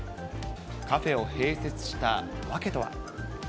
カフェを併設した訳とは。